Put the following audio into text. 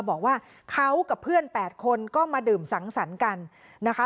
บอกว่าเขากับเพื่อน๘คนก็มาดื่มสังสรรค์กันนะคะ